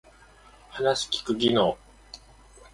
話す聞く技能